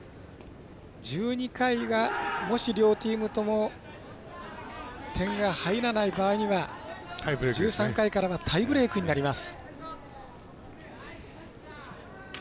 １２回が、もし両チームとも点が入らない場合には１３回からはタイブレークになります。